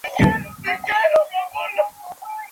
Thomas Doherty nació y creció en Edimburgo, Escocia.